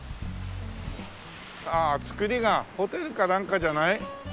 あ造りがホテルかなんかじゃない？